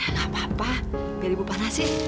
nggak apa apa biar ibu panas sih